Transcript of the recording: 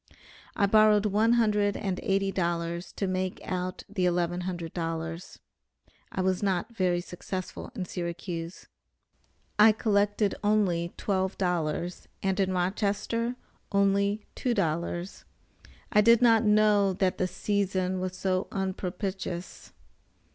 I borrowed one hundred and eighty dollars to make out the eleven hundred dollars. I was not very successful in Syracuse. I collected only twelve dollars, and in Rochester only two dollars. I did not know that the season was so unpropitious.